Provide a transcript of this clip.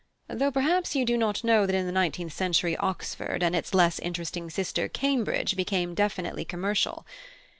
Though perhaps you do not know that in the nineteenth century Oxford and its less interesting sister Cambridge became definitely commercial.